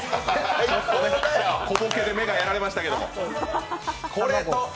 小ボケで目がやられましたけれども。